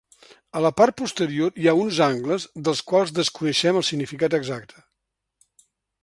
A la part posterior hi ha uns angles dels quals desconeixem el significat exacte.